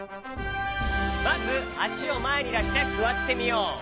まずあしをまえにだしてすわってみよう。